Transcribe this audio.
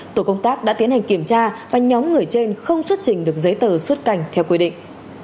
tổ công tác đã tiến hành kiểm tra và nhóm người trên không xuất trình được giấy tờ xuất cảnh theo quy định